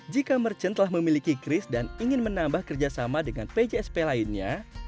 jika merchant telah memiliki kris dan ingin menambah kerjasama dengan pjsp lainnya